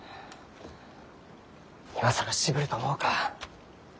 今更渋ると思うか？